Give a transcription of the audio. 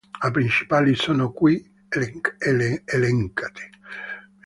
Le principali sono qui elencate.